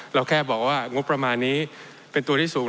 เราแค่บอกว่างบประมาณนี้เป็นตัวที่สูง